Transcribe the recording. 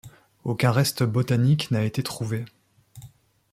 Aucun reste botanique n'a été trouvé.